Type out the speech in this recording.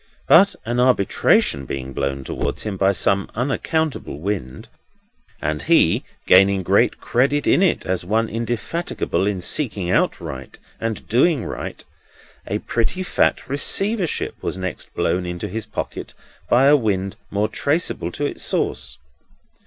But an Arbitration being blown towards him by some unaccountable wind, and he gaining great credit in it as one indefatigable in seeking out right and doing right, a pretty fat Receivership was next blown into his pocket by a wind more traceable to its source.